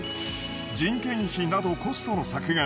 人件費などコストの削減